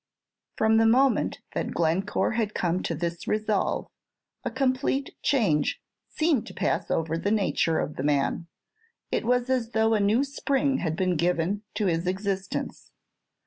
From the moment that Glencore had come to this resolve, a complete change seemed to pass over the nature of the man. It was as though a new spring had been given to his existence.